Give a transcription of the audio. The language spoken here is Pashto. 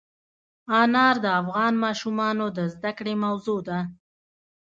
انار د افغان ماشومانو د زده کړې موضوع ده.